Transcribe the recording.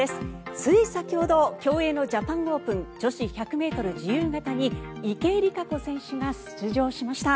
つい先ほど競泳のジャパンオープン女子１００ｍ自由形に池江璃花子選手が出場しました。